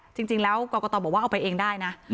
จริงแล้วกรกตบอกว่าเอาไปเองได้นะ